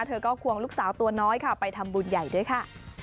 เธอก็ควงลูกสาวตัวน้อยค่ะไปทำบุญใหญ่ด้วยค่ะ